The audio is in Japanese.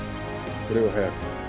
これを速く。